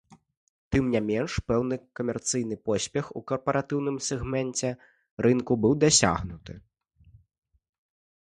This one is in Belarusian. Тым не менш, пэўны камерцыйны поспех у карпаратыўным сегменце рынку быў дасягнуты.